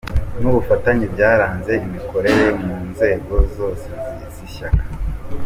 n’ubufatanye byaranze imikorere mu nzego zose z’Ishyaka .